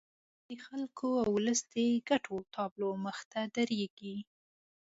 لومړی مې د خلکو او ولس د ګټو تابلو مخې ته درېږي.